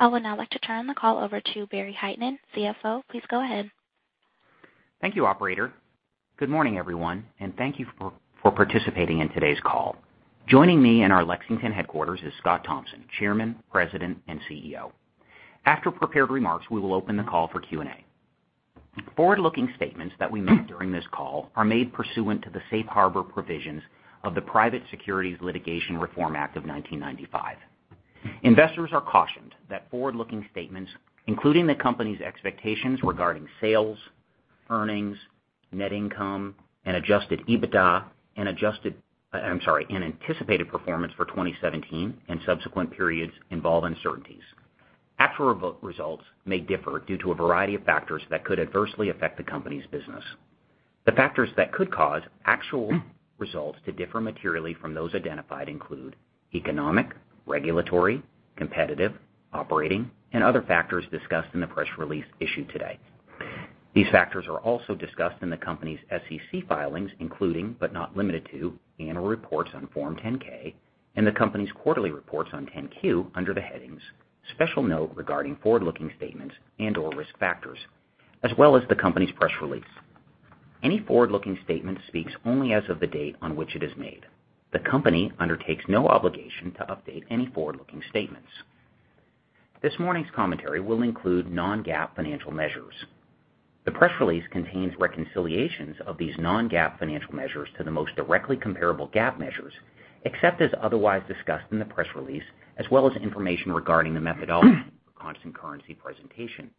I would now like to turn the call over to Barry Hytinen, CFO. Please go ahead. Thank you, operator. Good morning, everyone, thank you for participating in today's call. Joining me in our Lexington headquarters is Scott Thompson, Chairman, President, and CEO. After prepared remarks, we will open the call for Q&A. Forward-looking statements that we make during this call are made pursuant to the safe harbor provisions of the Private Securities Litigation Reform Act of 1995. Investors are cautioned that forward-looking statements, including the company's expectations regarding sales, earnings, net income, adjusted EBITDA and anticipated performance for 2017 and subsequent periods involve uncertainties. Actual results may differ due to a variety of factors that could adversely affect the company's business. The factors that could cause actual results to differ materially from those identified include economic, regulatory, competitive, operating, and other factors discussed in the press release issued today. These factors are also discussed in the company's SEC filings, including but not limited to annual reports on Form 10-K and the company's quarterly reports on 10-Q under the headings "Special Note Regarding Forward-Looking Statements and/or Risk Factors," as well as the company's press release. Any forward-looking statement speaks only as of the date on which it is made. The company undertakes no obligation to update any forward-looking statements. This morning's commentary will include non-GAAP financial measures. The press release contains reconciliations of these non-GAAP financial measures to the most directly comparable GAAP measures, except as otherwise discussed in the press release, as well as information regarding the methodology for constant currency presentation.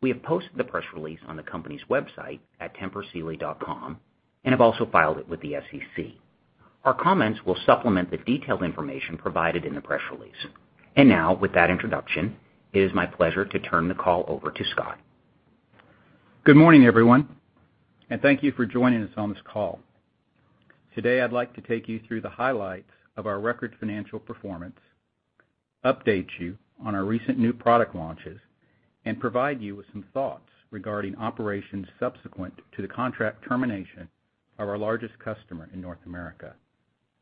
We have posted the press release on the company's website at tempursealy.com and have also filed it with the SEC. Our comments will supplement the detailed information provided in the press release. Now with that introduction, it is my pleasure to turn the call over to Scott. Good morning, everyone, and thank you for joining us on this call. Today, I'd like to take you through the highlights of our record financial performance, update you on our recent new product launches, and provide you with some thoughts regarding operations subsequent to the contract termination of our largest customer in North America.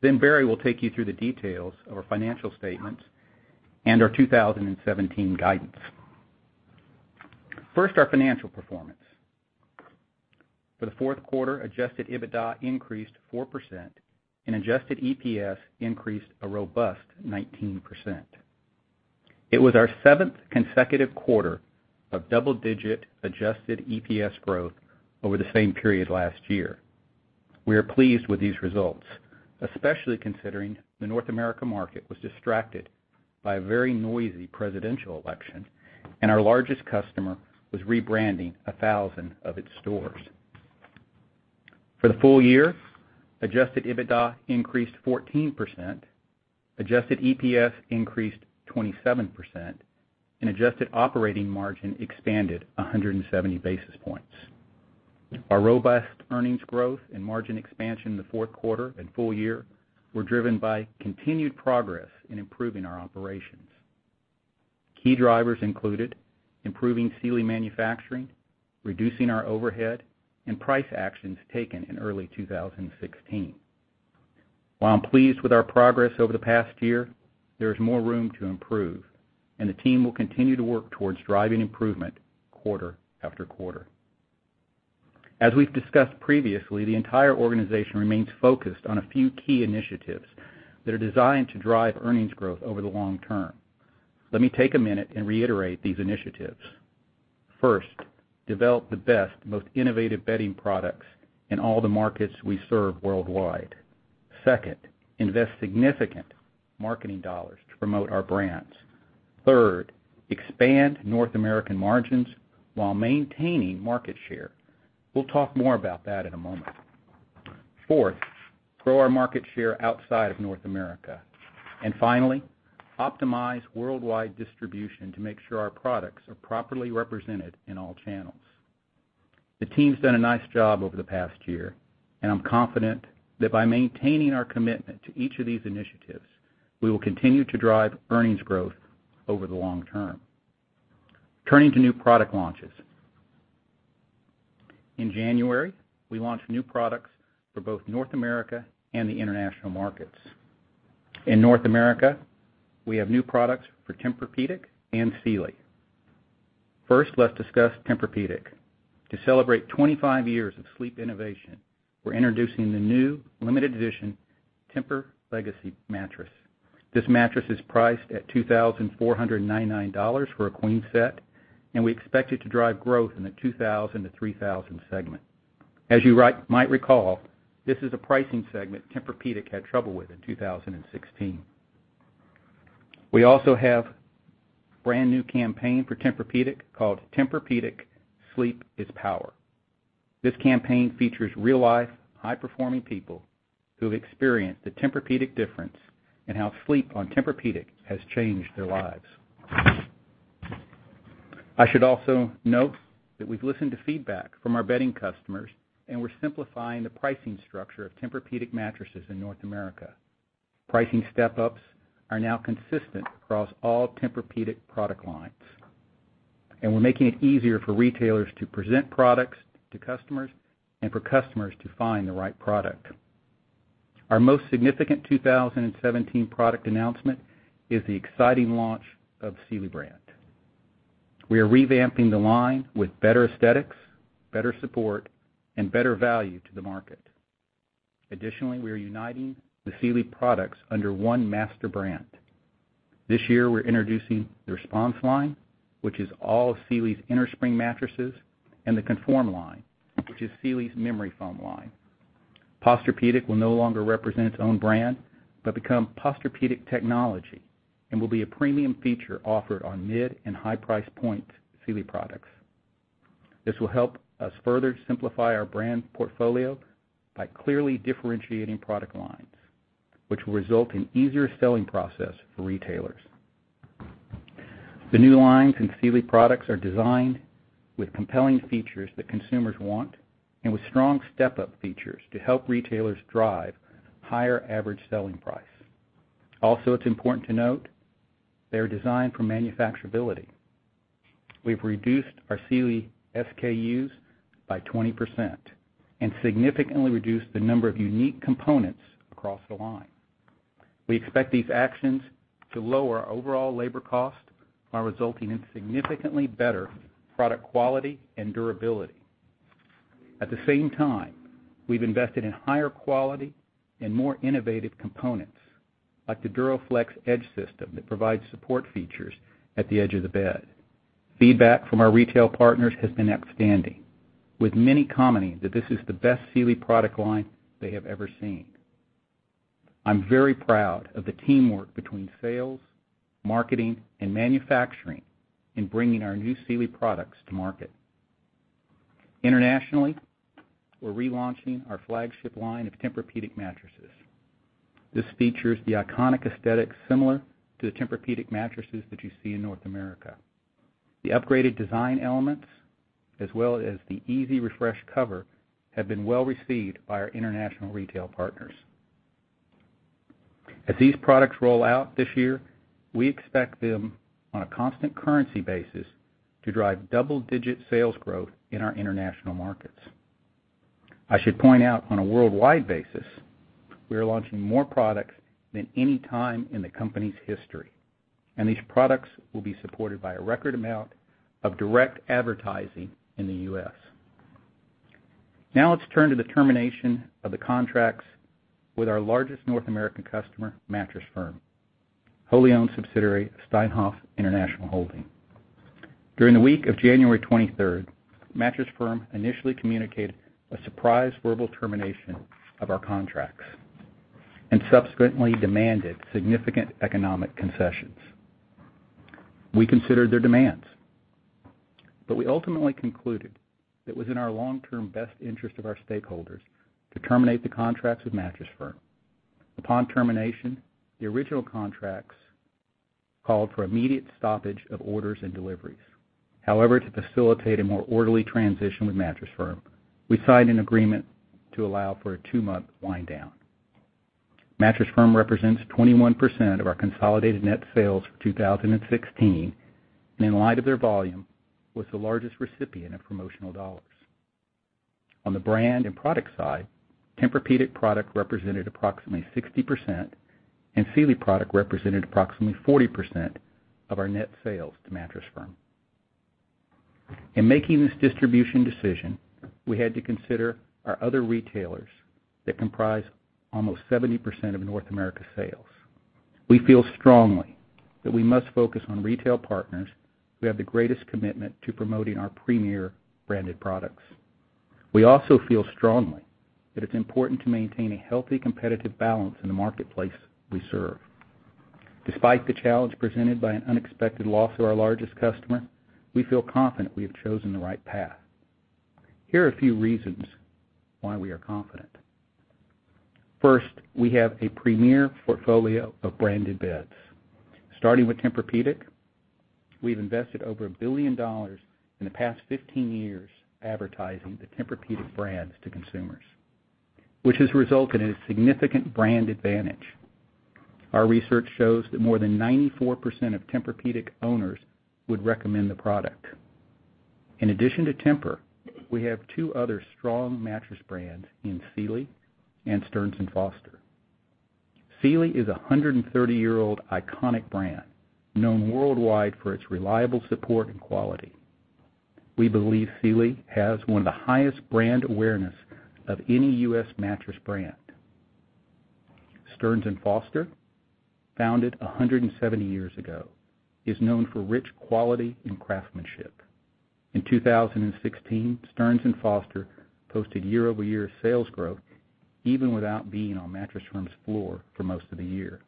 Barry will take you through the details of our financial statements and our 2017 guidance. First, our financial performance. For the fourth quarter, adjusted EBITDA increased 4% and adjusted EPS increased a robust 19%. It was our seventh consecutive quarter of double-digit adjusted EPS growth over the same period last year. We are pleased with these results, especially considering the North America market was distracted by a very noisy presidential election and our largest customer was rebranding 1,000 of its stores. For the full year, adjusted EBITDA increased 14%, adjusted EPS increased 27%, and adjusted operating margin expanded 170 basis points. Our robust earnings growth and margin expansion in the fourth quarter and full year were driven by continued progress in improving our operations. Key drivers included improving Sealy manufacturing, reducing our overhead, and price actions taken in early 2016. While I'm pleased with our progress over the past year, there is more room to improve and the team will continue to work towards driving improvement quarter after quarter. As we've discussed previously, the entire organization remains focused on a few key initiatives that are designed to drive earnings growth over the long term. Let me take a minute and reiterate these initiatives. First, develop the best, most innovative bedding products in all the markets we serve worldwide. Second, invest significant marketing dollars to promote our brands. Third, expand North American margins while maintaining market share. We'll talk more about that in a moment. Fourth, grow our market share outside of North America. Finally, optimize worldwide distribution to make sure our products are properly represented in all channels. The team's done a nice job over the past year, and I'm confident that by maintaining our commitment to each of these initiatives, we will continue to drive earnings growth over the long term. Turning to new product launches. In January, we launched new products for both North America and the international markets. In North America, we have new products for Tempur-Pedic and Sealy. First, let's discuss Tempur-Pedic. To celebrate 25 years of sleep innovation, we're introducing the new limited edition TEMPUR-Legacy Mattress. This mattress is priced at $2,499 for a queen set, and we expect it to drive growth in the $2,000-$3,000 segment. As you might recall, this is a pricing segment Tempur-Pedic had trouble with in 2016. We also have a brand-new campaign for Tempur-Pedic called Tempur-Pedic Sleep Is Power. This campaign features real life, high-performing people who have experienced the Tempur-Pedic difference and how sleep on Tempur-Pedic has changed their lives. I should also note that we've listened to feedback from our bedding customers, and we're simplifying the pricing structure of Tempur-Pedic mattresses in North America. Pricing step-ups are now consistent across all Tempur-Pedic product lines. We're making it easier for retailers to present products to customers and for customers to find the right product. Our most significant 2017 product announcement is the exciting launch of Sealy brand. We are revamping the line with better aesthetics, better support, and better value to the market. Additionally, we are uniting the Sealy products under one master brand. This year, we're introducing the Response line, which is all of Sealy's innerspring mattresses, and the Conform line, which is Sealy's memory foam line. Posturepedic will no longer represent its own brand, but become Posturepedic technology and will be a premium feature offered on mid and high price point Sealy products. This will help us further simplify our brand portfolio by clearly differentiating product lines, which will result in easier selling process for retailers. The new lines in Sealy products are designed with compelling features that consumers want and with strong step-up features to help retailers drive higher average selling price. It's important to note they're designed for manufacturability. We've reduced our Sealy SKUs by 20% and significantly reduced the number of unique components across the line. We expect these actions to lower overall labor cost while resulting in significantly better product quality and durability. At the same time, we've invested in higher quality and more innovative components, like the DuraFlex Edge System that provides support features at the edge of the bed. Feedback from our retail partners has been outstanding, with many commenting that this is the best Sealy product line they have ever seen. I'm very proud of the teamwork between sales, marketing, and manufacturing in bringing our new Sealy products to market. Internationally, we're relaunching our flagship line of Tempur-Pedic mattresses. This features the iconic aesthetics similar to the Tempur-Pedic mattresses that you see in North America. The upgraded design elements, as well as the EasyRefresh Cover, have been well-received by our international retail partners. As these products roll out this year, we expect them, on a constant currency basis, to drive double-digit sales growth in our international markets. I should point out on a worldwide basis, we are launching more products than any time in the company's history. These products will be supported by a record amount of direct advertising in the U.S. Let's turn to the termination of the contracts with our largest North American customer, Mattress Firm, wholly owned subsidiary of Steinhoff International Holdings. During the week of January 23rd, Mattress Firm initially communicated a surprise verbal termination of our contracts and subsequently demanded significant economic concessions. We considered their demands, but we ultimately concluded that it was in our long-term best interest of our stakeholders to terminate the contracts with Mattress Firm. Upon termination, the original contracts called for immediate stoppage of orders and deliveries. To facilitate a more orderly transition with Mattress Firm, we signed an agreement to allow for a two-month wind down. Mattress Firm represents 21% of our consolidated net sales for 2016 and in light of their volume, was the largest recipient of promotional dollars. On the brand and product side, Tempur-Pedic product represented approximately 60% and Sealy product represented approximately 40% of our net sales to Mattress Firm. In making this distribution decision, we had to consider our other retailers that comprise almost 70% of North America sales. We feel strongly that we must focus on retail partners who have the greatest commitment to promoting our premier branded products. We feel strongly that it's important to maintain a healthy competitive balance in the marketplace we serve. Despite the challenge presented by an unexpected loss of our largest customer, we feel confident we have chosen the right path. Here are a few reasons why we are confident. We have a premier portfolio of branded beds. Starting with Tempur-Pedic, we've invested over $1 billion in the past 15 years advertising the Tempur-Pedic brands to consumers, which has resulted in a significant brand advantage. Our research shows that more than 94% of Tempur-Pedic owners would recommend the product. In addition to Tempur, we have two other strong mattress brands in Sealy and Stearns & Foster. Sealy is a 130-year-old iconic brand known worldwide for its reliable support and quality. We believe Sealy has one of the highest brand awareness of any U.S. mattress brand. Stearns & Foster, founded 170 years ago, is known for rich quality and craftsmanship. In 2016, Stearns & Foster posted year-over-year sales growth even without being on Mattress Firm's floor for most of the year.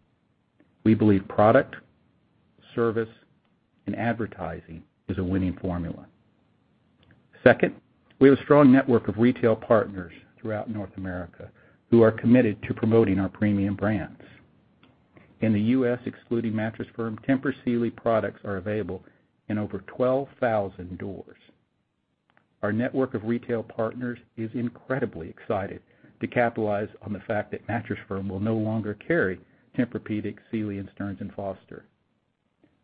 We believe product, service, and advertising is a winning formula. Second, we have a strong network of retail partners throughout North America who are committed to promoting our premium brands. In the U.S., excluding Mattress Firm, Tempur Sealy products are available in over 12,000 doors. Our network of retail partners is incredibly excited to capitalize on the fact that Mattress Firm will no longer carry Tempur-Pedic, Sealy and Stearns & Foster.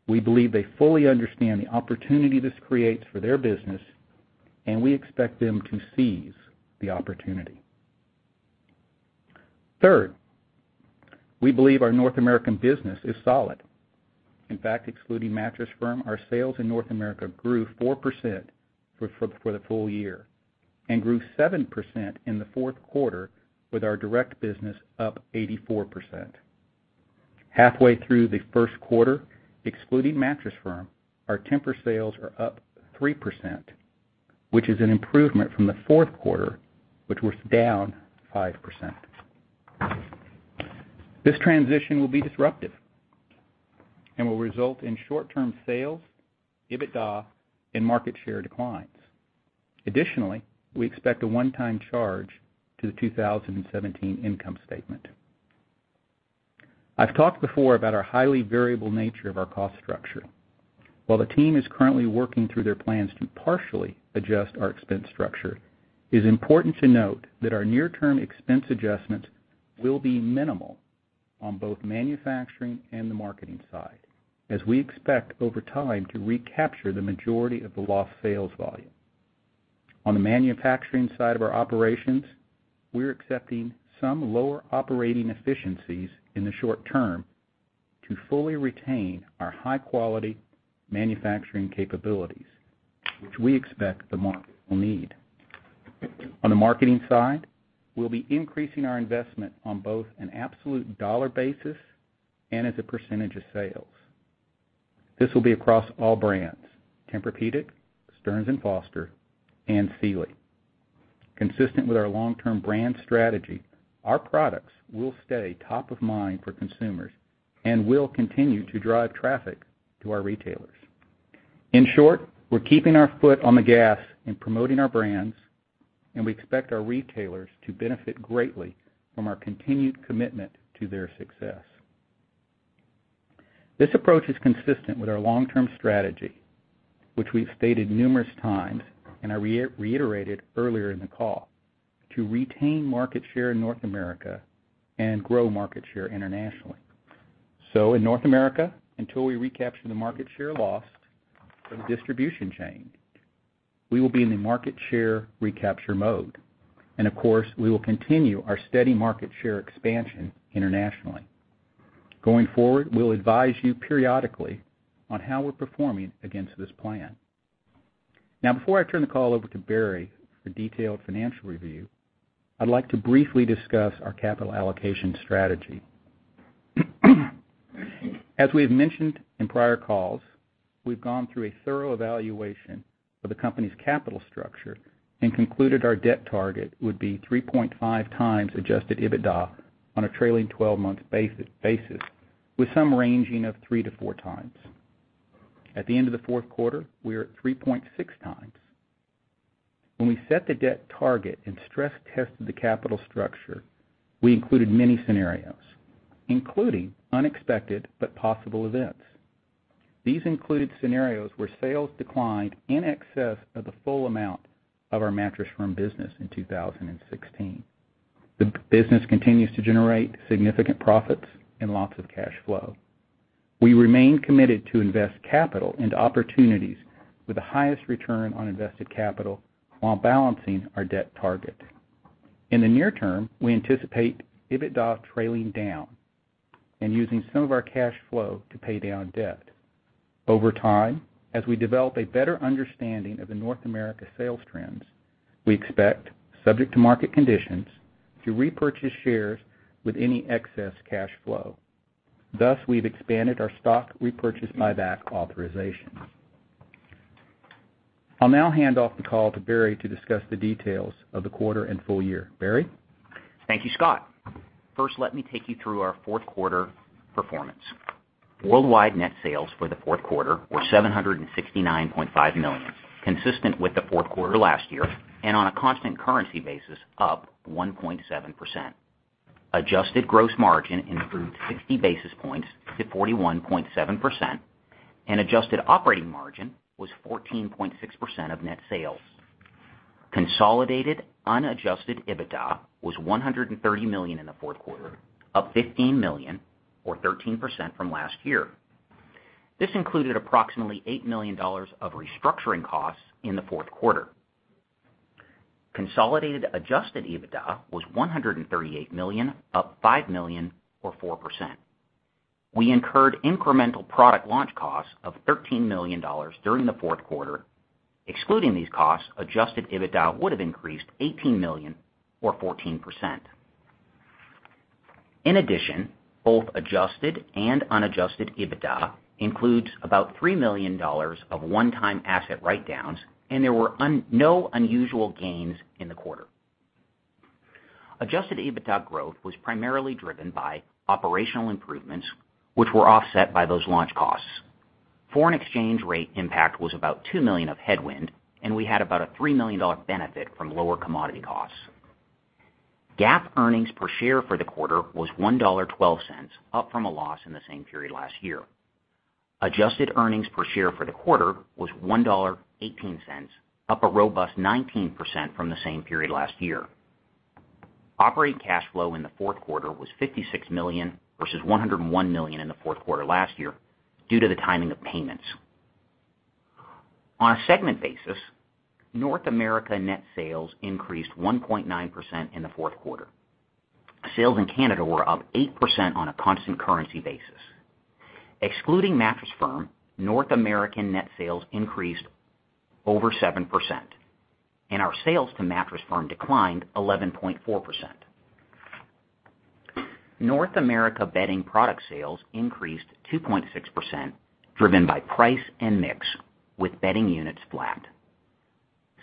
We believe they fully understand the opportunity this creates for their business, and we expect them to seize the opportunity. Third, we believe our North American business is solid. In fact, excluding Mattress Firm, our sales in North America grew 4% for the full year and grew 7% in the fourth quarter with our direct business up 84%. Halfway through the first quarter, excluding Mattress Firm, our Tempur sales are up 3%, which is an improvement from the fourth quarter, which was down 5%. This transition will be disruptive and will result in short-term sales, EBITDA, and market share declines. Additionally, we expect a one-time charge to the 2017 income statement. I've talked before about our highly variable nature of our cost structure. While the team is currently working through their plans to partially adjust our expense structure, it is important to note that our near-term expense adjustments will be minimal on both manufacturing and the marketing side, as we expect over time to recapture the majority of the lost sales volume. On the manufacturing side of our operations, we're accepting some lower operating efficiencies in the short term to fully retain our high-quality manufacturing capabilities, which we expect the market will need. On the marketing side, we'll be increasing our investment on both an absolute dollar basis and as a percentage of sales. This will be across all brands, Tempur-Pedic, Stearns & Foster, and Sealy. Consistent with our long-term brand strategy, our products will stay top of mind for consumers and will continue to drive traffic to our retailers. In short, we're keeping our foot on the gas in promoting our brands, and we expect our retailers to benefit greatly from our continued commitment to their success. This approach is consistent with our long-term strategy, which we've stated numerous times and I reiterated earlier in the call, to retain market share in North America and grow market share internationally. In North America, until we recapture the market share loss from the distribution chain, we will be in the market share recapture mode. Of course, we will continue our steady market share expansion internationally. Going forward, we'll advise you periodically on how we're performing against this plan. Before I turn the call over to Barry for detailed financial review, I'd like to briefly discuss our capital allocation strategy. As we have mentioned in prior calls, we've gone through a thorough evaluation of the company's capital structure and concluded our debt target would be 3.5 times adjusted EBITDA on a trailing 12-month basis with some ranging of three to four times. At the end of the fourth quarter, we are at 3.6 times. When we set the debt target and stress tested the capital structure, we included many scenarios, including unexpected but possible events. These included scenarios where sales declined in excess of the full amount of our Mattress Firm business in 2016. The business continues to generate significant profits and lots of cash flow. We remain committed to invest capital into opportunities with the highest return on invested capital while balancing our debt target. In the near term, we anticipate EBITDA trailing down and using some of our cash flow to pay down debt. Over time, as we develop a better understanding of the North America sales trends, we expect, subject to market conditions, to repurchase shares with any excess cash flow. Thus, we've expanded our stock repurchase buyback authorization. I'll now hand off the call to Barry to discuss the details of the quarter and full year. Barry? Thank you, Scott. First, let me take you through our fourth quarter performance. Worldwide net sales for the fourth quarter were $769.5 million, consistent with the fourth quarter last year, and on a constant currency basis, up 1.7%. Adjusted gross margin improved 60 basis points to 41.7%, and adjusted operating margin was 14.6% of net sales. Consolidated unadjusted EBITDA was $130 million in the fourth quarter, up $15 million or 13% from last year. This included approximately $8 million of restructuring costs in the fourth quarter. Consolidated adjusted EBITDA was $138 million, up $5 million or 4%. We incurred incremental product launch costs of $13 million during the fourth quarter. Excluding these costs, adjusted EBITDA would have increased $18 million or 14%. In addition, both adjusted and unadjusted EBITDA includes about $3 million of one-time asset write-downs, and there were no unusual gains in the quarter. Adjusted EBITDA growth was primarily driven by operational improvements, which were offset by those launch costs. Foreign exchange rate impact was about $2 million of headwind, and we had about a $3 million benefit from lower commodity costs. GAAP earnings per share for the quarter was $1.12, up from a loss in the same period last year. Adjusted earnings per share for the quarter was $1.18, up a robust 19% from the same period last year. Operating cash flow in the fourth quarter was $56 million, versus $101 million in the fourth quarter last year, due to the timing of payments. On a segment basis, North America net sales increased 1.9% in the fourth quarter. Sales in Canada were up 8% on a constant currency basis. Excluding Mattress Firm, North American net sales increased over 7%, and our sales to Mattress Firm declined 11.4%. North America Bedding product sales increased 2.6%, driven by price and mix, with Bedding units flat.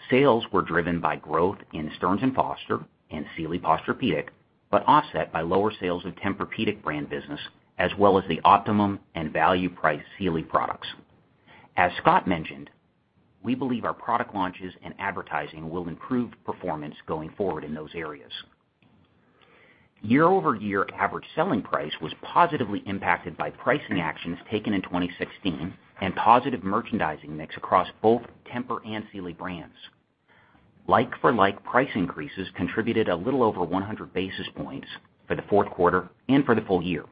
Sales were driven by growth in Stearns & Foster and Sealy Posturepedic, but offset by lower sales of Tempur-Pedic brand business, as well as the Optimum and value price Sealy products. As Scott mentioned, we believe our product launches and advertising will improve performance going forward in those areas. Year-over-year average selling price was positively impacted by pricing actions taken in 2016 and positive merchandising mix across both Tempur and Sealy brands. Like-for-like price increases contributed a little over 100 basis points for the fourth quarter and for the full year.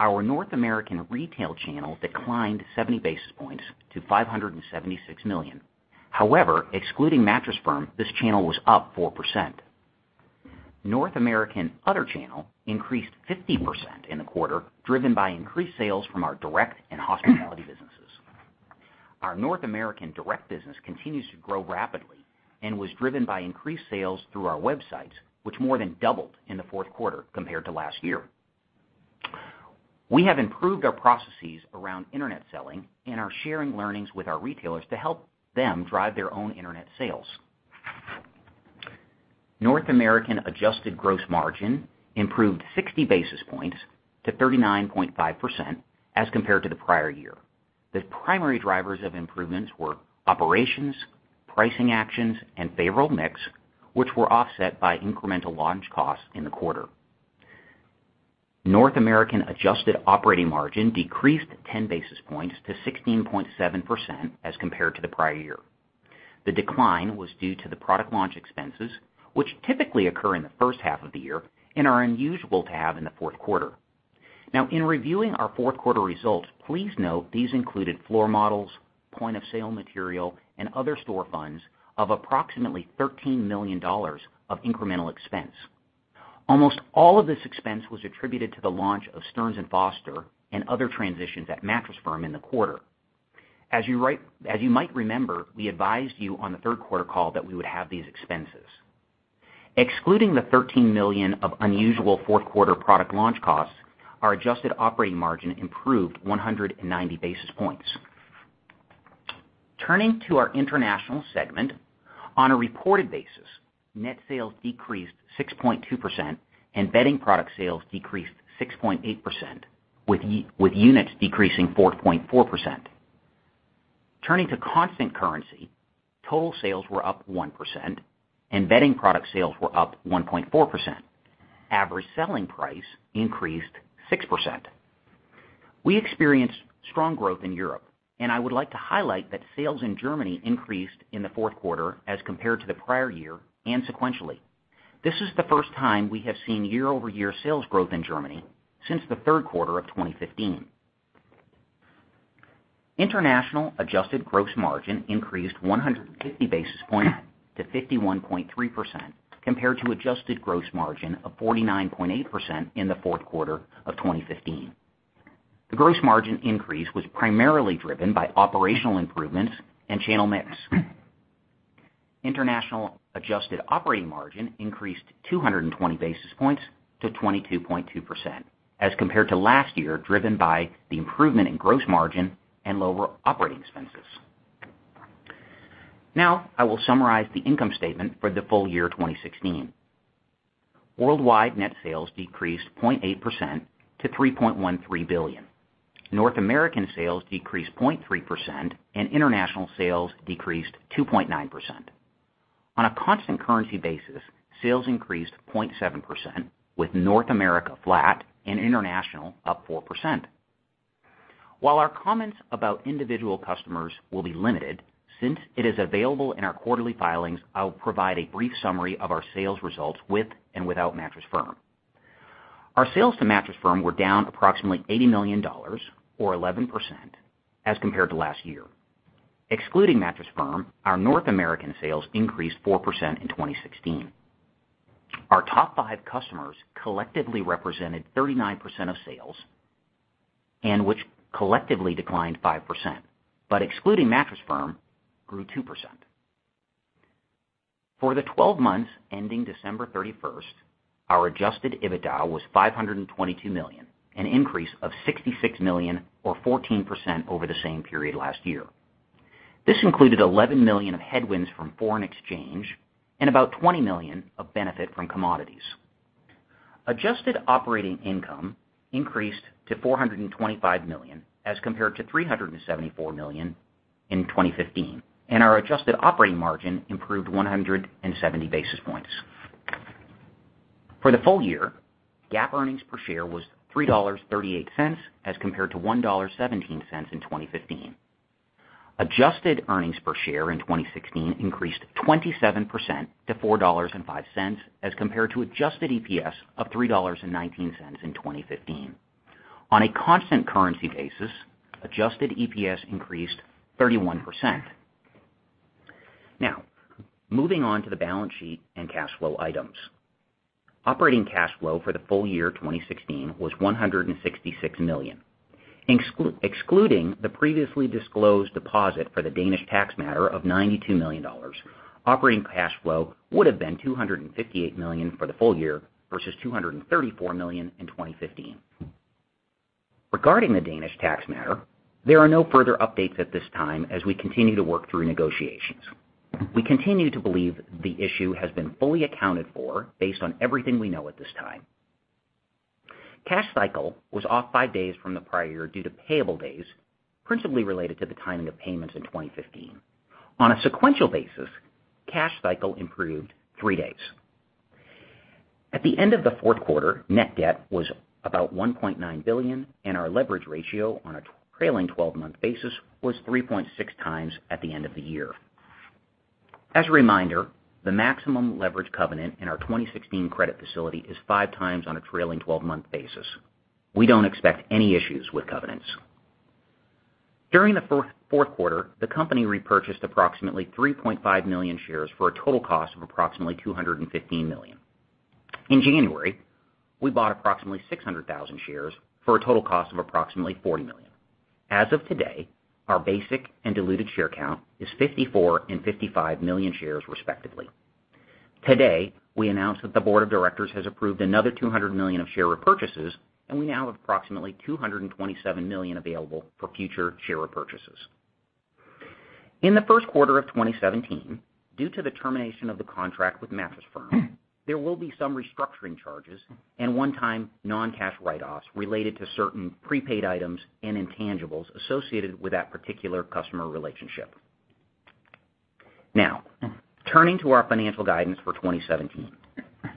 Our North American retail channel declined 70 basis points to $576 million. However, excluding Mattress Firm, this channel was up 4%. North American other channel increased 50% in the quarter, driven by increased sales from our direct and hospitality businesses. Our North American direct business continues to grow rapidly and was driven by increased sales through our websites, which more than doubled in the fourth quarter compared to last year. We have improved our processes around internet selling and are sharing learnings with our retailers to help them drive their own internet sales. North American adjusted gross margin improved 60 basis points to 39.5% as compared to the prior year. The primary drivers of improvements were operations, pricing actions, and favorable mix, which were offset by incremental launch costs in the quarter. North American adjusted operating margin decreased 10 basis points to 16.7% as compared to the prior year. The decline was due to the product launch expenses, which typically occur in the first half of the year and are unusual to have in the fourth quarter. Now, in reviewing our fourth quarter results, please note these included floor models, point-of-sale material, and other store funds of approximately $13 million of incremental expense. Almost all of this expense was attributed to the launch of Stearns & Foster and other transitions at Mattress Firm in the quarter. As you might remember, we advised you on the third quarter call that we would have these expenses. Excluding the $13 million of unusual fourth quarter product launch costs, our adjusted operating margin improved 190 basis points. Turning to our international segment. On a reported basis, net sales decreased 6.2% and Bedding product sales decreased 6.8%, with units decreasing 4.4%. Turning to constant currency, total sales were up 1% and Bedding product sales were up 1.4%. Average selling price increased 6%. We experienced strong growth in Europe, and I would like to highlight that sales in Germany increased in the fourth quarter as compared to the prior year and sequentially. This is the first time we have seen year-over-year sales growth in Germany since the third quarter of 2015. International adjusted gross margin increased 150 basis points to 51.3%, compared to adjusted gross margin of 49.8% in the fourth quarter of 2015. The gross margin increase was primarily driven by operational improvements and channel mix. International adjusted operating margin increased 220 basis points to 22.2% as compared to last year, driven by the improvement in gross margin and lower operating expenses. Now, I will summarize the income statement for the full year 2016. Worldwide net sales decreased 0.8% to $3.13 billion. North American sales decreased 0.3% and international sales decreased 2.9%. On a constant currency basis, sales increased 0.7%, with North America flat and international up 4%. While our comments about individual customers will be limited, since it is available in our quarterly filings, I will provide a brief summary of our sales results with and without Mattress Firm. Our sales to Mattress Firm were down approximately $80 million, or 11%, as compared to last year. Excluding Mattress Firm, our North American sales increased 4% in 2016. Our top five customers collectively represented 39% of sales and which collectively declined 5%, but excluding Mattress Firm, grew 2%. For the 12 months ending December 31st, our adjusted EBITDA was $522 million, an increase of $66 million, or 14%, over the same period last year. This included $11 million of headwinds from foreign exchange and about $20 million of benefit from commodity. Adjusted operating income increased to $425 million as compared to $374 million in 2015, and our adjusted operating margin improved 170 basis points. For the full year, GAAP earnings per share was $3.38 as compared to $1.17 in 2015. Adjusted earnings per share in 2016 increased 27% to $4.05 as compared to adjusted EPS of $3.19 in 2015. On a constant currency basis, adjusted EPS increased 31%. Moving on to the balance sheet and cash flow items. Operating cash flow for the full year 2016 was $166 million. Excluding the previously disclosed deposit for the Danish tax matter of $92 million, operating cash flow would've been $258 million for the full year versus $234 million in 2015. Regarding the Danish tax matter, there are no further updates at this time as we continue to work through negotiations. We continue to believe the issue has been fully accounted for based on everything we know at this time. Cash cycle was off by days from the prior year due to payable days, principally related to the timing of payments in 2015. On a sequential basis, cash cycle improved three days. At the end of the fourth quarter, net debt was about $1.9 billion, and our leverage ratio on a trailing 12-month basis was 3.6 times at the end of the year. As a reminder, the maximum leverage covenant in our 2016 credit facility is five times on a trailing 12-month basis. We don't expect any issues with covenants. During the fourth quarter, the company repurchased approximately 3.5 million shares for a total cost of approximately $215 million. In January, we bought approximately 600,000 shares for a total cost of approximately $40 million. As of today, our basic and diluted share count is 54 and 55 million shares respectively. Today, we announced that the board of directors has approved another $200 million of share repurchases, and we now have approximately $227 million available for future share repurchases. In the first quarter of 2017, due to the termination of the contract with Mattress Firm, there will be some restructuring charges and one-time non-cash write-offs related to certain prepaid items and intangibles associated with that particular customer relationship. Turning to our financial guidance for 2017.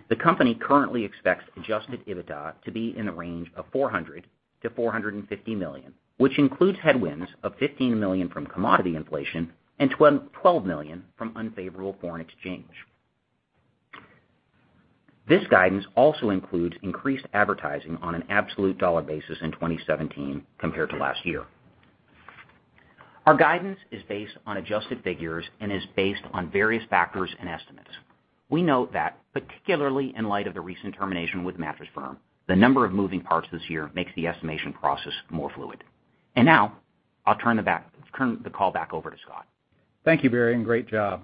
The company currently expects adjusted EBITDA to be in the range of $400 million to $450 million, which includes headwinds of $15 million from commodity inflation and $12 million from unfavorable foreign exchange. This guidance also includes increased advertising on an absolute dollar basis in 2017 compared to last year. Our guidance is based on adjusted figures and is based on various factors and estimates. We note that, particularly in light of the recent termination with Mattress Firm, the number of moving parts this year makes the estimation process more fluid. Now, I'll turn the call back over to Scott. Thank you, Barry, and great job.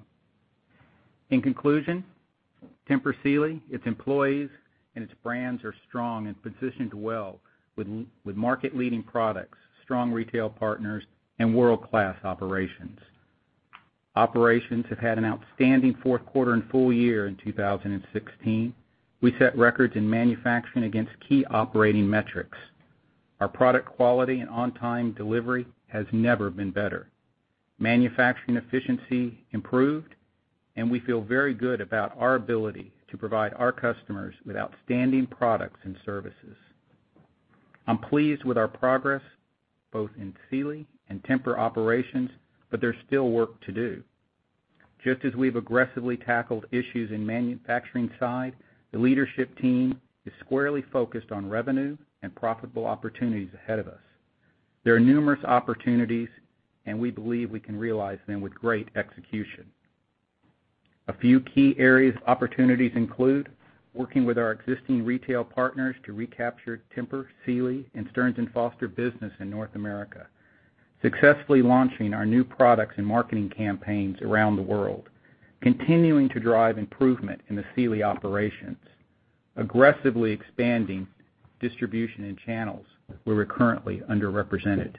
In conclusion, Tempur Sealy, its employees, and its brands are strong and positioned well with market-leading products, strong retail partners, and world-class operations. Operations have had an outstanding fourth quarter and full year in 2016. We set records in manufacturing against key operating metrics. Our product quality and on-time delivery has never been better. Manufacturing efficiency improved. We feel very good about our ability to provide our customers with outstanding products and services. I'm pleased with our progress, both in Sealy and Tempur operations, there's still work to do. Just as we've aggressively tackled issues in manufacturing side, the leadership team is squarely focused on revenue and profitable opportunities ahead of us. There are numerous opportunities. We believe we can realize them with great execution. A few key areas of opportunities include working with our existing retail partners to recapture Tempur, Sealy, and Stearns & Foster business in North America, successfully launching our new products and marketing campaigns around the world, continuing to drive improvement in the Sealy operations, aggressively expanding distribution in channels where we're currently underrepresented.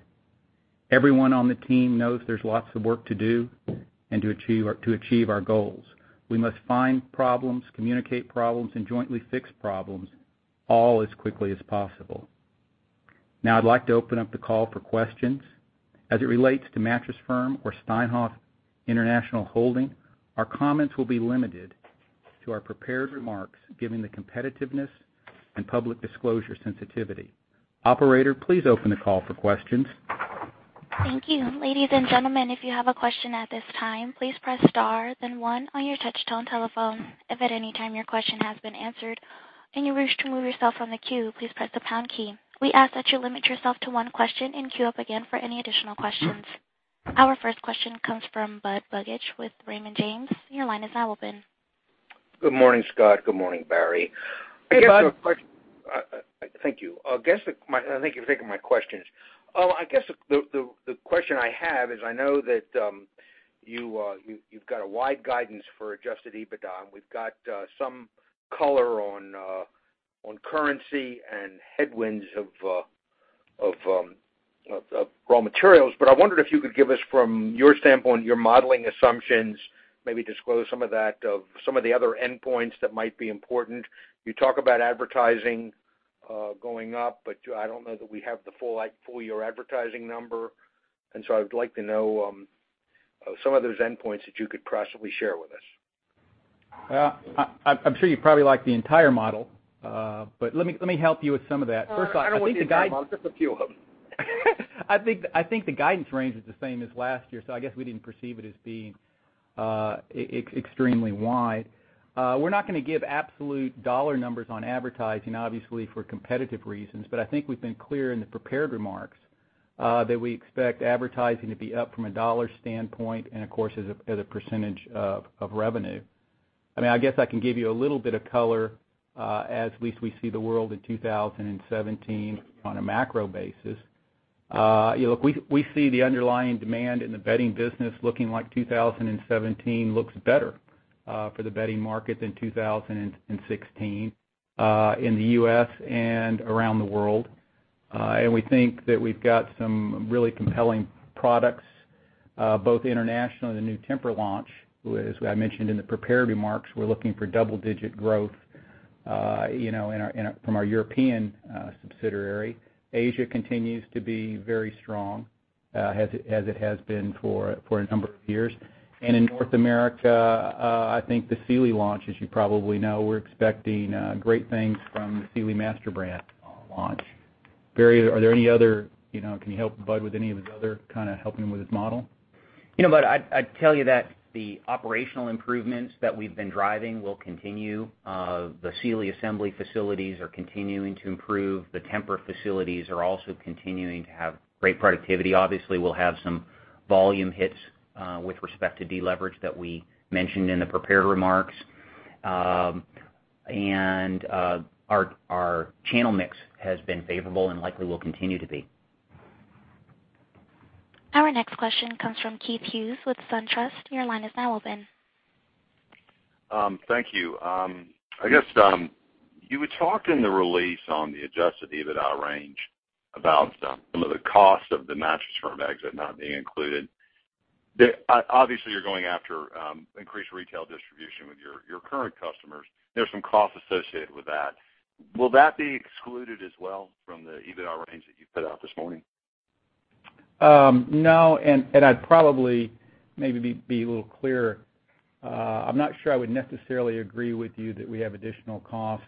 Everyone on the team knows there's lots of work to do and to achieve our goals. We must find problems, communicate problems, and jointly fix problems, all as quickly as possible. Now I'd like to open up the call for questions. As it relates to Mattress Firm or Steinhoff International Holdings, our comments will be limited to our prepared remarks, given the competitiveness and public disclosure sensitivity. Operator, please open the call for questions. Thank you. Ladies and gentlemen, if you have a question at this time, please press star then one on your touch-tone telephone. If at any time your question has been answered and you wish to remove yourself from the queue, please press the pound key. We ask that you limit yourself to one question and queue up again for any additional questions. Our first question comes from Bobby Griffin with Raymond James. Your line is now open. Good morning, Scott. Good morning, Barry. Hey, Bud. Thank you. I think you're thinking my questions. I guess the question I have is, I know that you've got a wide guidance for adjusted EBITDA, and we've got some color on currency and headwinds of Of raw materials. I wondered if you could give us from your standpoint, your modeling assumptions, maybe disclose some of the other endpoints that might be important. You talk about advertising going up, but I don't know that we have the full year advertising number, and so I would like to know some of those endpoints that you could possibly share with us. Well, I'm sure you'd probably like the entire model. Let me help you with some of that. First off, I think the I don't want the entire model, just a few of them. I think the guidance range is the same as last year, so I guess we didn't perceive it as being extremely wide. We're not going to give absolute dollar numbers on advertising, obviously, for competitive reasons. I think we've been clear in the prepared remarks that we expect advertising to be up from a dollar standpoint and of course, as a % of revenue. I guess I can give you a little bit of color as least we see the world in 2017 on a macro basis. Look, we see the underlying demand in the bedding business looking like 2017 looks better for the bedding market than 2016 in the U.S. and around the world. We think that we've got some really compelling products, both international and the new Tempur launch. As I mentioned in the prepared remarks, we're looking for double-digit growth from our European subsidiary. Asia continues to be very strong, as it has been for a number of years. In North America, I think the Sealy launch, as you probably know, we're expecting great things from the Sealy master brand launch. Barry, can you help Bud with any of his other kind of helping him with his model? Bobby, I'd tell you that the operational improvements that we've been driving will continue. The Sealy assembly facilities are continuing to improve. The Tempur facilities are also continuing to have great productivity. Obviously, we'll have some volume hits with respect to deleverage that we mentioned in the prepared remarks. Our channel mix has been favorable and likely will continue to be. Our next question comes from Keith Hughes with SunTrust. Your line is now open. Thank you. I guess, you had talked in the release on the adjusted EBITDA range about some of the cost of the Mattress Firm exit not being included. Obviously, you're going after increased retail distribution with your current customers. There's some costs associated with that. Will that be excluded as well from the EBITDA range that you put out this morning? No, I'd probably maybe be a little clearer. I'm not sure I would necessarily agree with you that we have additional cost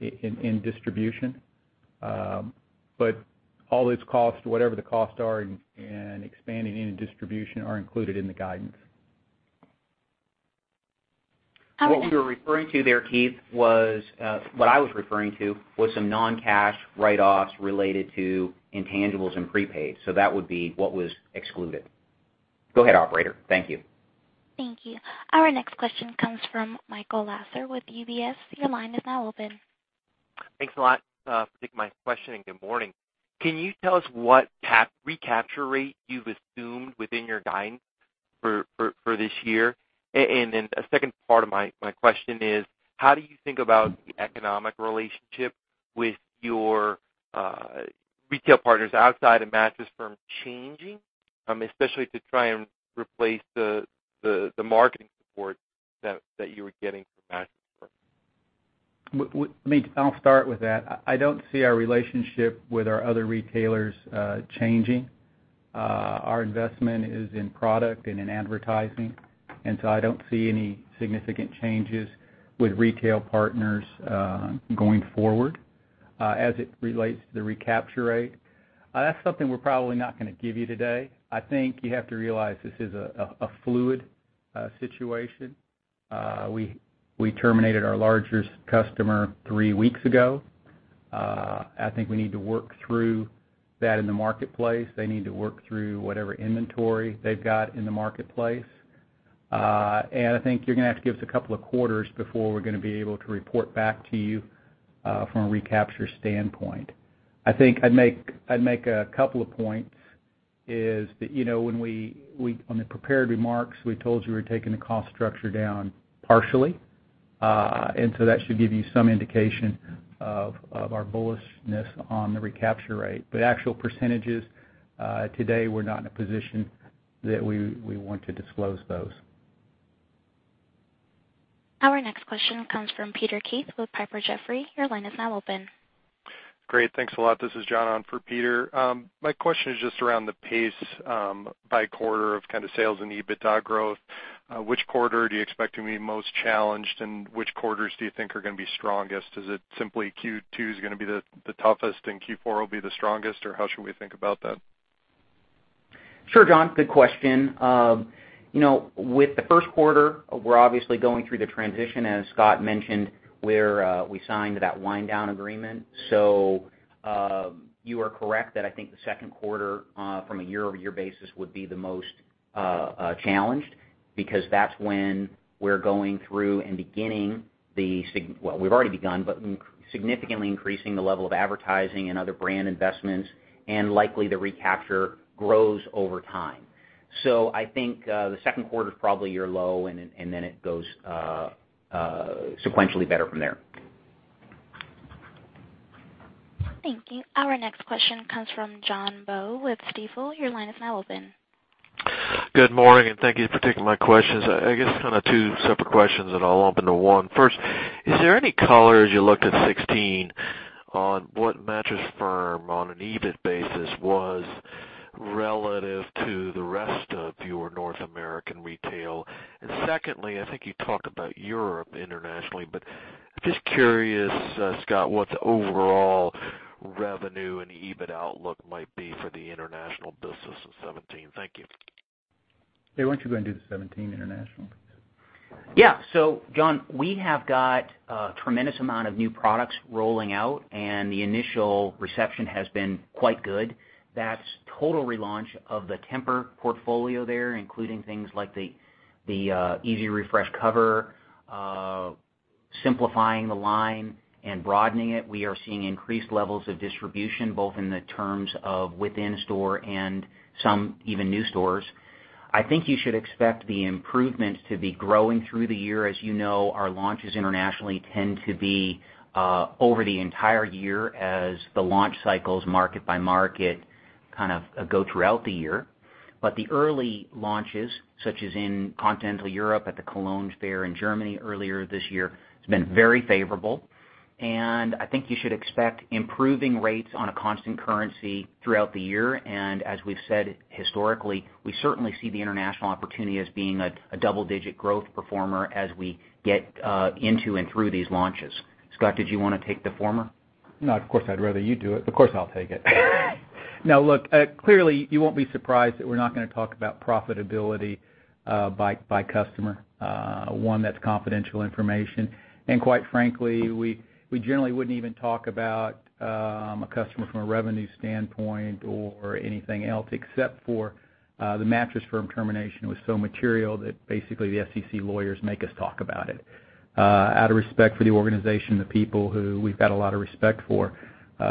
in distribution. All those costs, whatever the costs are in expanding any distribution, are included in the guidance. What we were referring to there, Keith, what I was referring to was some non-cash write-offs related to intangibles and prepaid, that would be what was excluded. Go ahead, operator. Thank you. Thank you. Our next question comes from Michael Lasser with UBS. Your line is now open. Thanks a lot for taking my question, good morning. Can you tell us what recapture rate you've assumed within your guidance for this year? A second part of my question is, how do you think about the economic relationship with your retail partners outside of Mattress Firm changing, especially to try and replace the marketing support that you were getting from Mattress Firm? I'll start with that. I don't see our relationship with our other retailers changing. Our investment is in product and in advertising, I don't see any significant changes with retail partners going forward. As it relates to the recapture rate, that's something we're probably not going to give you today. I think you have to realize this is a fluid situation. We terminated our largest customer three weeks ago. I think we need to work through that in the marketplace. They need to work through whatever inventory they've got in the marketplace. I think you're going to have to give us a couple of quarters before we're going to be able to report back to you from a recapture standpoint. I think I'd make a couple of points, is that when we on the prepared remarks, we told you we're taking the cost structure down partially. That should give you some indication of our bullishness on the recapture rate. Actual percentages, today we're not in a position that we want to disclose those. Our next question comes from Peter Keith with Piper Jaffray. Your line is now open. Great. Thanks a lot. This is John on for Peter. My question is just around the pace by quarter of kind of sales and EBITDA growth. Which quarter do you expect to be most challenged, and which quarters do you think are going to be strongest? Is it simply Q2 is going to be the toughest and Q4 will be the strongest, or how should we think about that? Sure, John. Good question. With the first quarter, we're obviously going through the transition, as Scott mentioned, where we signed that wind down agreement. You are correct that I think the second quarter from a year-over-year basis would be the most challenged because that's when we're going through and well, we've already begun, but significantly increasing the level of advertising and other brand investments, and likely the recapture grows over time. I think the second quarter is probably your low, and then it goes sequentially better from there. Thank you. Our next question comes from Jon Bowe with Stifel. Your line is now open. Good morning, and thank you for taking my questions. I guess kind of two separate questions that I'll lump into one. First, is there any color as you looked at 2016 on what Mattress Firm on an EBIT basis was relative to the rest of your North American retail? Secondly, I think you talked about Europe internationally, but just curious, Scott, what the overall revenue and EBIT outlook might be for the international business in 2017. Thank you. Hey, why don't you go and do the 2017 international? Yeah. John, we have got a tremendous amount of new products rolling out, and the initial reception has been quite good. That's total relaunch of the Tempur portfolio there, including things like the EasyRefresh Cover, simplifying the line and broadening it. We are seeing increased levels of distribution, both in the terms of within store and some even new stores. I think you should expect the improvements to be growing through the year. As you know, our launches internationally tend to be over the entire year as the launch cycles market by market kind of go throughout the year. The early launches, such as in continental Europe at the Cologne Fair in Germany earlier this year, it's been very favorable. I think you should expect improving rates on a constant currency throughout the year. As we've said historically, we certainly see the international opportunity as being a double-digit growth performer as we get into and through these launches. Scott, did you want to take the former? No, of course, I'd rather you do it. Of course, I'll take it. Now look, clearly you won't be surprised that we're not going to talk about profitability by customer. One, that's confidential information, and quite frankly, we generally wouldn't even talk about a customer from a revenue standpoint or anything else, except for the Mattress Firm termination was so material that basically the SEC lawyers make us talk about it. Out of respect for the organization, the people who we've got a lot of respect for,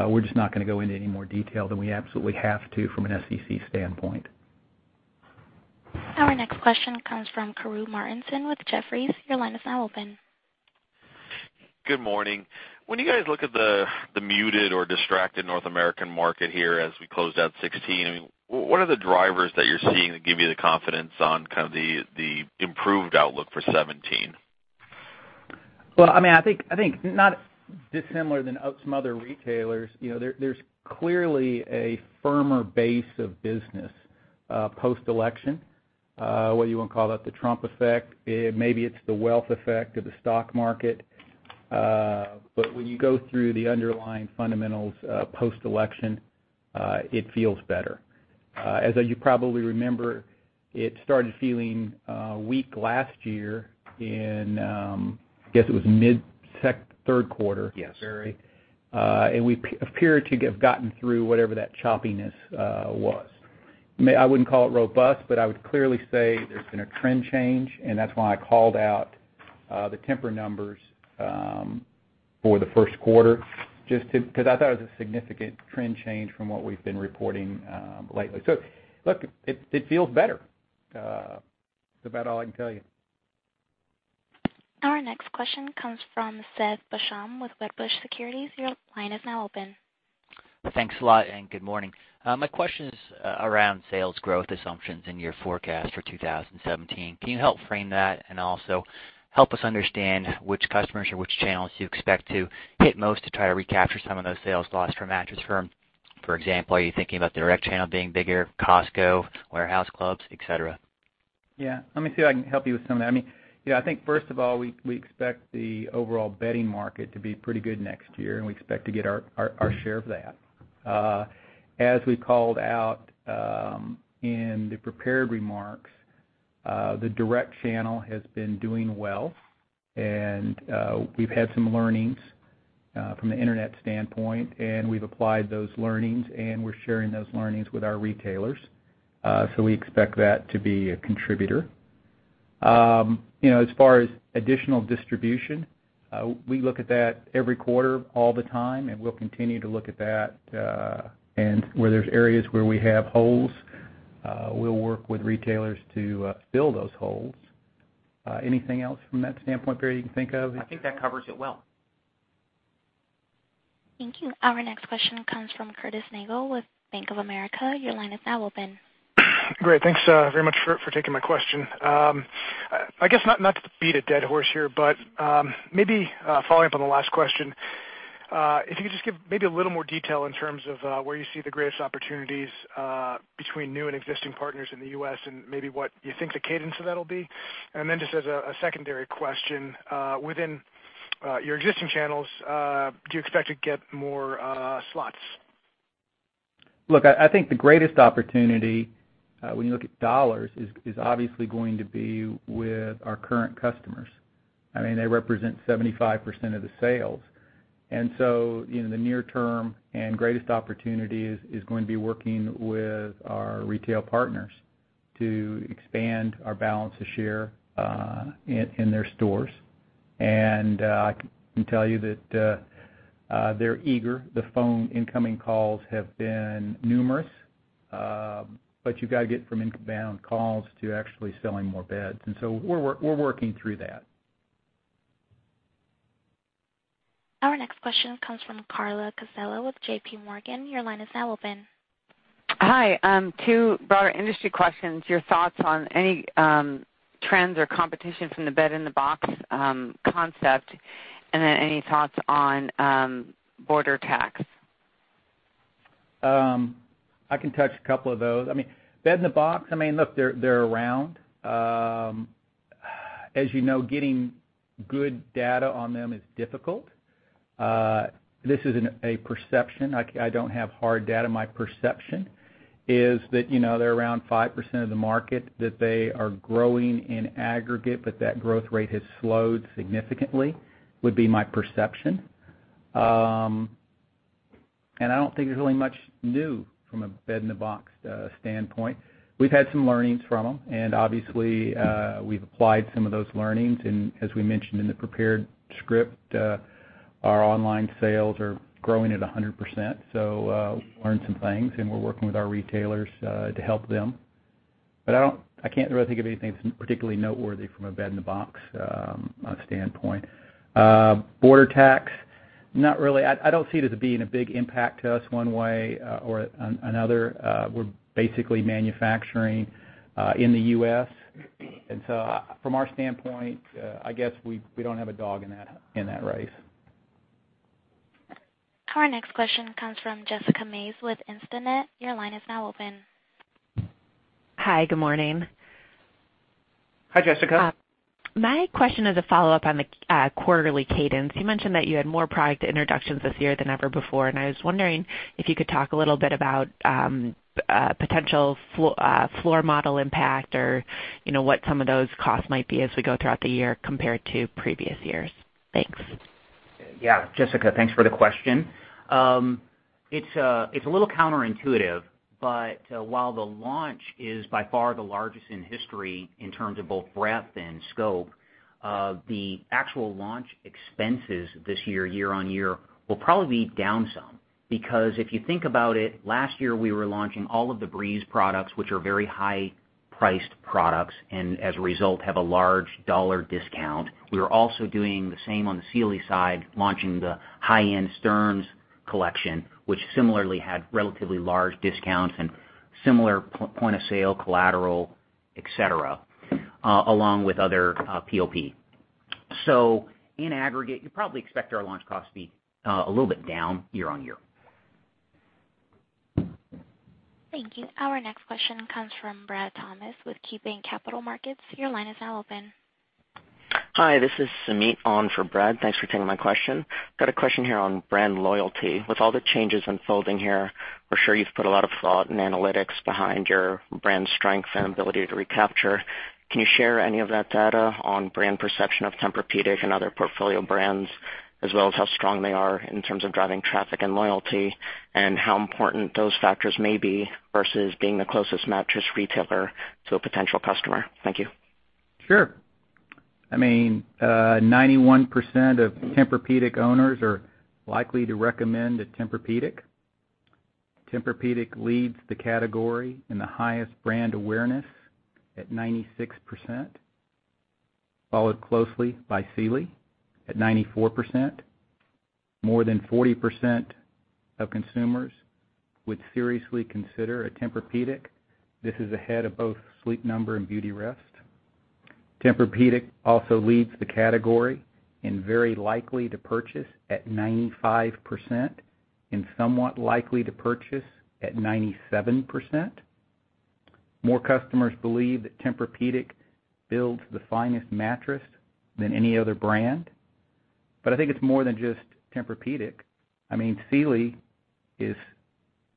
we're just not gonna go into any more detail than we absolutely have to from an SEC standpoint. Our next question comes from Karru Martinson with Jefferies. Your line is now open. Good morning. When you guys look at the muted or distracted North American market here as we closed out 2016, what are the drivers that you're seeing that give you the confidence on kind of the improved outlook for 2017? Well, I think not dissimilar than some other retailers. There's clearly a firmer base of business post-election. Whether you want to call that the Trump effect, maybe it's the wealth effect of the stock market. When you go through the underlying fundamentals post-election, it feels better. As you probably remember, it started feeling weak last year in, I guess it was mid third quarter. Yes. We appear to have gotten through whatever that choppiness was. I wouldn't call it robust, but I would clearly say there's been a trend change, and that's why I called out the Tempur numbers for the first quarter, just because I thought it was a significant trend change from what we've been reporting lately. Look, it feels better. That's about all I can tell you. Our next question comes from Seth Basham with Wedbush Securities. Your line is now open. Thanks a lot and good morning. My question is around sales growth assumptions in your forecast for 2017. Can you help frame that and also help us understand which customers or which channels you expect to hit most to try to recapture some of those sales lost from Mattress Firm? For example, are you thinking about the direct channel being bigger, Costco, warehouse clubs, et cetera? Yeah. Let me see if I can help you with some of that. I think first of all, we expect the overall bedding market to be pretty good next year, and we expect to get our share of that. As we called out in the prepared remarks, the direct channel has been doing well and we've had some learnings from the internet standpoint, and we've applied those learnings and we're sharing those learnings with our retailers. We expect that to be a contributor. As far as additional distribution, we look at that every quarter, all the time, and we'll continue to look at that. Where there's areas where we have holes, we'll work with retailers to fill those holes. Anything else from that standpoint, Barry, you can think of? I think that covers it well. Thank you. Our next question comes from Curtis Nagle with Bank of America. Your line is now open. Great. Thanks very much for taking my question. I guess not to beat a dead horse here, but maybe following up on the last question, if you could just give maybe a little more detail in terms of where you see the greatest opportunities between new and existing partners in the U.S. and maybe what you think the cadence of that'll be. Then just as a secondary question, within your existing channels, do you expect to get more slots? I think the greatest opportunity when you look at dollars is obviously going to be with our current customers. They represent 75% of the sales. The near term and greatest opportunity is going to be working with our retail partners to expand our brand share in their stores. I can tell you that they're eager. The phone incoming calls have been numerous. You've got to get from inbound calls to actually selling more beds, we're working through that. Our next question comes from Carla Casella with JPMorgan. Your line is now open. Hi. Two broad industry questions. Your thoughts on any trends or competition from the bed-in-a-box concept, and then any thoughts on border tax? I can touch a couple of those. Bed-in-a-box, they're around. As you know, getting good data on them is difficult. This is a perception. I don't have hard data. My perception is that they're around 5% of the market, that they are growing in aggregate, but that growth rate has slowed significantly, would be my perception. I don't think there's really much new from a bed-in-a-box standpoint. We've had some learnings from them, and obviously, we've applied some of those learnings, and as we mentioned in the prepared script, our online sales are growing at 100%. We've learned some things, and we're working with our retailers to help them. I can't really think of anything that's particularly noteworthy from a bed-in-a-box standpoint. Border tax, not really. I don't see it as being a big impact to us one way or another. We're basically manufacturing in the U.S., from our standpoint, I guess, we don't have a dog in that race. Our next question comes from Jessica Mace with Instinet. Your line is now open. Hi, good morning. Hi, Jessica. My question is a follow-up on the quarterly cadence. You mentioned that you had more product introductions this year than ever before. I was wondering if you could talk a little bit about potential floor model impact or what some of those costs might be as we go throughout the year compared to previous years. Thanks. Yeah. Jessica, thanks for the question. It's a little counterintuitive. While the launch is by far the largest in history in terms of both breadth and scope, the actual launch expenses this year-on-year, will probably be down some because if you think about it, last year we were launching all of the Breeze products, which are very high-priced products and as a result have a large dollar discount. We were also doing the same on the Sealy side, launching the high-end Stearns collection, which similarly had relatively large discounts and similar point-of-sale collateral, et cetera, along with other POP. In aggregate, you probably expect our launch cost to be a little bit down year-on-year. Thank you. Our next question comes from Brad Thomas with KeyBanc Capital Markets. Your line is now open. Hi, this is Sumeet on for Brad. Thanks for taking my question. Got a question here on brand loyalty. With all the changes unfolding here, for sure you've put a lot of thought and analytics behind your brand strength and ability to recapture. Can you share any of that data on brand perception of Tempur-Pedic and other portfolio brands, as well as how strong they are in terms of driving traffic and loyalty, and how important those factors may be versus being the closest mattress retailer to a potential customer? Thank you. Sure. 91% of Tempur-Pedic owners are likely to recommend a Tempur-Pedic. Tempur-Pedic leads the category in the highest brand awareness at 96%, followed closely by Sealy at 94%. More than 40% of consumers would seriously consider a Tempur-Pedic. This is ahead of both Sleep Number and Beautyrest. Tempur-Pedic also leads the category in very likely to purchase at 95% and somewhat likely to purchase at 97%. More customers believe that Tempur-Pedic builds the finest mattress than any other brand. I think it's more than just Tempur-Pedic. Sealy is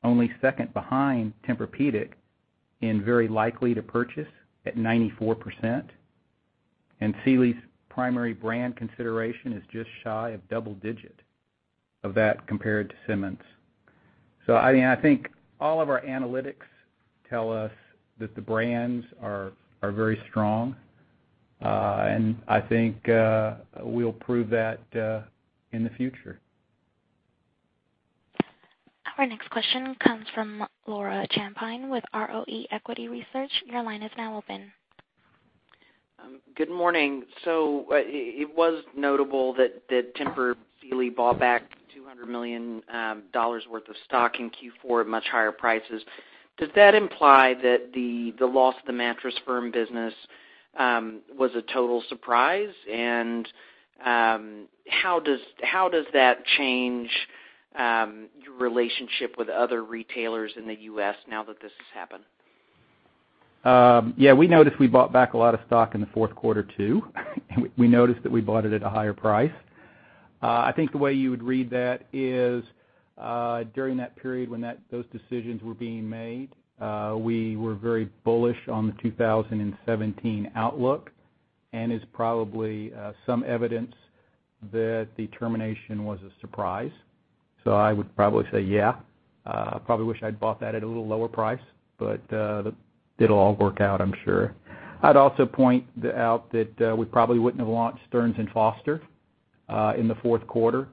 only second behind Tempur-Pedic in very likely to purchase at 94%, and Sealy's primary brand consideration is just shy of double digit of that compared to Simmons. I think all of our analytics tell us that the brands are very strong, and I think we'll prove that in the future. Our next question comes from Laura Champine with ROE Equity Research. Your line is now open. Good morning. It was notable that Tempur Sealy bought back $200 million worth of stock in Q4 at much higher prices. Does that imply that the loss of the Mattress Firm business was a total surprise? How does that change your relationship with other retailers in the U.S. now that this has happened? Yeah, we noticed we bought back a lot of stock in the fourth quarter too. We noticed that we bought it at a higher price. I think the way you would read that is during that period when those decisions were being made, we were very bullish on the 2017 outlook and is probably some evidence that the termination was a surprise I would probably say yeah. I probably wish I'd bought that at a little lower price, but it'll all work out, I'm sure. I'd also point out that we probably wouldn't have launched Stearns & Foster in the fourth quarter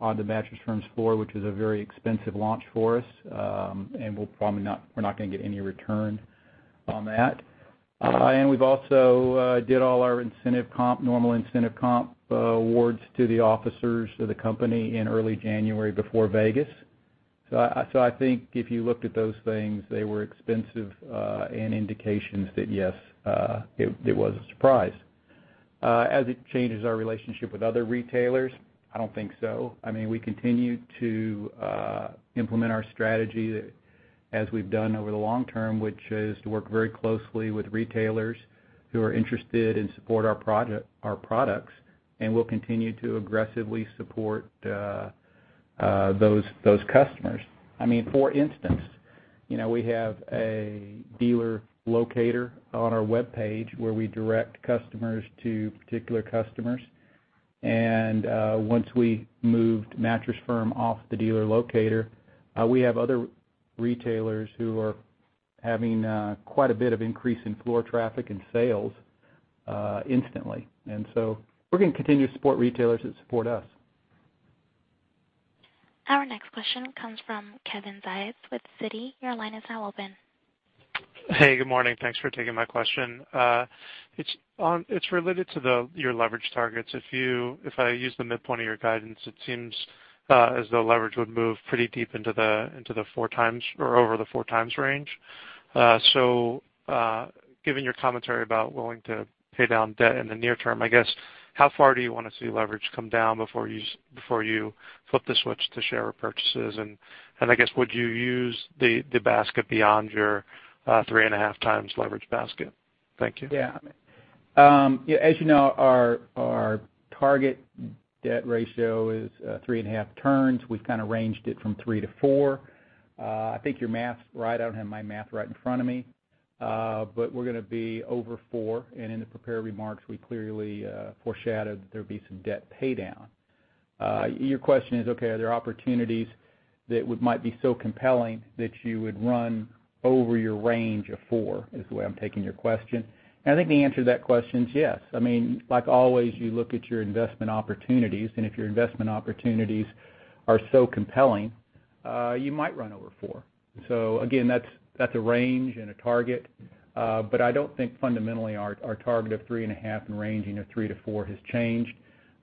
on the Mattress Firm's floor, which is a very expensive launch for us. We're not going to get any return on that. We've also did all our normal incentive comp awards to the officers of the company in early January before Vegas. I think if you looked at those things, they were expensive and indications that yes, it was a surprise. It changes our relationship with other retailers, I don't think so. We continue to implement our strategy as we've done over the long term, which is to work very closely with retailers who are interested and support our products, and we'll continue to aggressively support those customers. For instance, we have a dealer locator on our webpage where we direct customers to particular customers. Once we moved Mattress Firm off the dealer locator, we have other retailers who are having quite a bit of increase in floor traffic and sales instantly. We're going to continue to support retailers that support us. Our next question comes from Kevin Zientz with Citi. Your line is now open. Hey, good morning. Thanks for taking my question. It's related to your leverage targets. If I use the midpoint of your guidance, it seems as though leverage would move pretty deep into the 4 times or over the 4 times range. Given your commentary about willing to pay down debt in the near term, I guess, how far do you want to see leverage come down before you flip the switch to share repurchases? I guess, would you use the basket beyond your three and a half times leverage basket? Thank you. Yeah. You know, our target debt ratio is three and a half turns. We've kind of ranged it from three to four. I think your math's right. I don't have my math right in front of me. We're going to be over 4, and in the prepared remarks, we clearly foreshadowed that there'd be some debt pay down. Your question is, okay, are there opportunities that might be so compelling that you would run over your range of 4, is the way I'm taking your question. I think the answer to that question is yes. Like always, you look at your investment opportunities, and if your investment opportunities are so compelling, you might run over 4. Again, that's a range and a target. I don't think fundamentally our target of three and a half and ranging of three to four has changed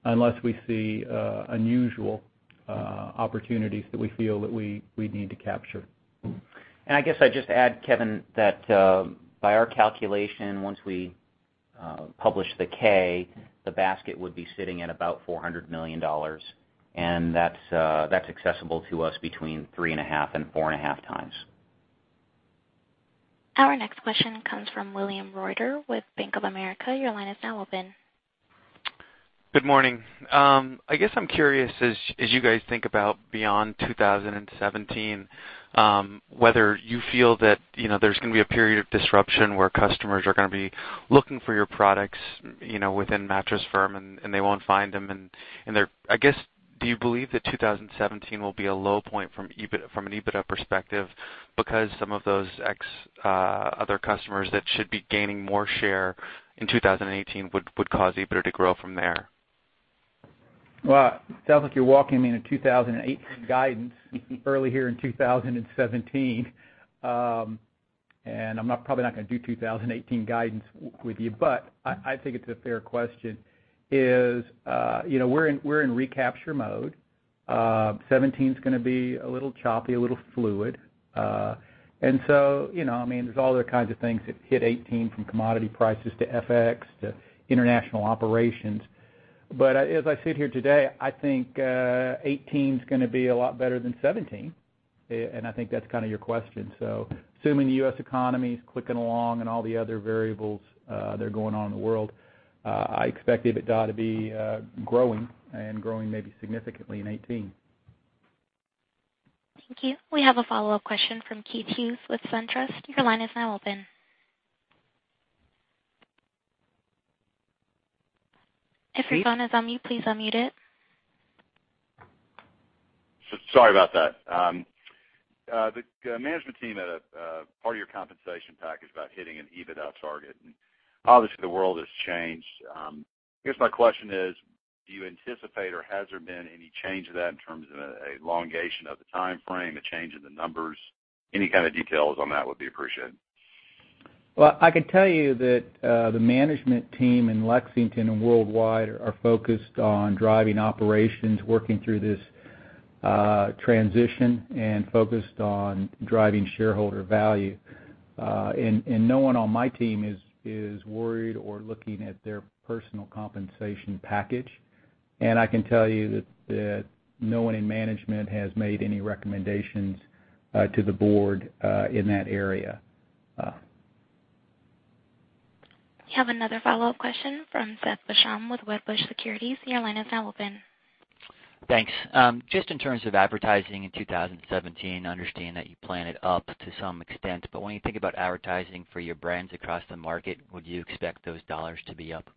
unless we see unusual opportunities that we feel that we need to capture. I guess I'd just add, Kevin, that by our calculation, once we publish the K, the basket would be sitting at about $400 million, and that's accessible to us between three and a half and four and a half times. Our next question comes from William Reuter with Bank of America. Your line is now open. Good morning. I guess I'm curious, as you guys think about beyond 2017, whether you feel that there's going to be a period of disruption where customers are going to be looking for your products within Mattress Firm, and they won't find them. I guess, do you believe that 2017 will be a low point from an EBITDA perspective because some of those other customers that should be gaining more share in 2018 would cause EBITDA to grow from there? Well, it sounds like you're walking me in a 2018 guidance early here in 2017. I'm probably not going to do 2018 guidance with you, but I think it's a fair question, is we're in recapture mode. 2017's going to be a little choppy, a little fluid. There's all other kinds of things that hit 2018 from commodity prices to FX to international operations. As I sit here today, I think 2018's going to be a lot better than 2017. I think that's kind of your question. Assuming the U.S. economy's clicking along and all the other variables that are going on in the world, I expect EBITDA to be growing and growing maybe significantly in 2018. Thank you. We have a follow-up question from Keith Hughes with SunTrust. Your line is now open. If your phone is on mute, please unmute it. Sorry about that. The management team had a part of your compensation package about hitting an EBITDA target, and obviously the world has changed. I guess my question is, do you anticipate or has there been any change to that in terms of an elongation of the timeframe, a change in the numbers? Any kind of details on that would be appreciated. Well, I can tell you that the management team in Lexington and worldwide are focused on driving operations, working through this transition, and focused on driving shareholder value. No one on my team is worried or looking at their personal compensation package. I can tell you that no one in management has made any recommendations to the board in that area. We have another follow-up question from Seth Basham with Wedbush Securities. Your line is now open. Thanks. Just in terms of advertising in 2017, I understand that you plan it up to some extent, but when you think about advertising for your brands across the market, would you expect those dollars to be up?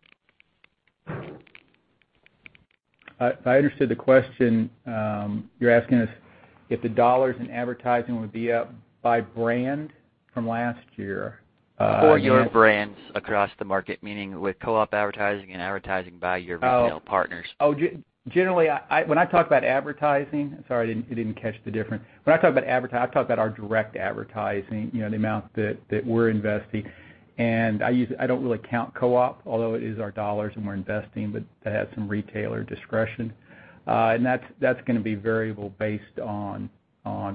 If I understood the question, you're asking us if the dollars in advertising would be up by brand from last year? For your brands across the market, meaning with co-op advertising and advertising by your retail partners. Generally, when I talk about advertising, sorry, I didn't catch the difference. When I talk about advertising, I talk about our direct advertising, the amount that we're investing. I don't really count co-op, although it is our dollars and we're investing, but that has some retailer discretion. That's going to be variable based on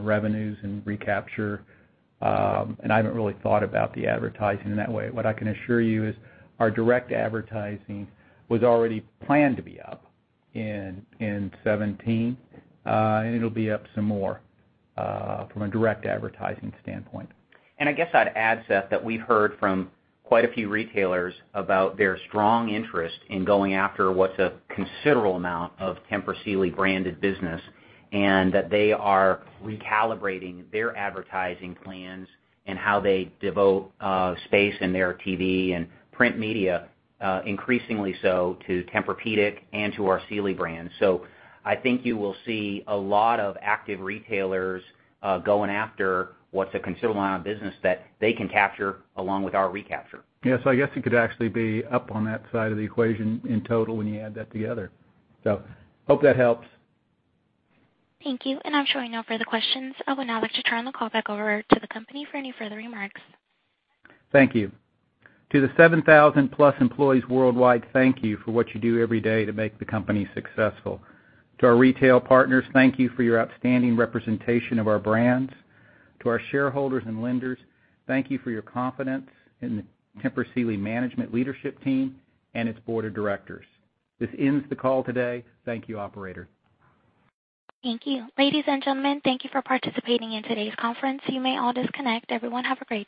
revenues and recapture. I haven't really thought about the advertising in that way. What I can assure you is our direct advertising was already planned to be up in 2017, and it'll be up some more from a direct advertising standpoint. I guess I'd add, Seth, that we've heard from quite a few retailers about their strong interest in going after what's a considerable amount of Tempur Sealy branded business, and that they are recalibrating their advertising plans and how they devote space in their TV and print media increasingly so to Tempur-Pedic and to our Sealy brand. I think you will see a lot of active retailers going after what's a considerable amount of business that they can capture along with our recapture. I guess it could actually be up on that side of the equation in total when you add that together. Hope that helps. Thank you. I'm showing no further questions. I would now like to turn the call back over to the company for any further remarks. Thank you. To the 7,000+ employees worldwide, thank you for what you do every day to make the company successful. To our retail partners, thank you for your outstanding representation of our brands. To our shareholders and lenders, thank you for your confidence in the Tempur Sealy management leadership team and its board of directors. This ends the call today. Thank you, operator. Thank you. Ladies and gentlemen, thank you for participating in today's conference. You may all disconnect. Everyone have a great day.